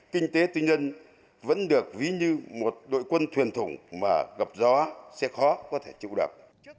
kinh tế tư nhân vẫn được ví như một đội quân thuyền thủng mà gặp gió sẽ khó có thể chịu được